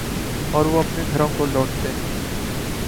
اوروہ اپنے گھروں کو لوٹتے ہیں۔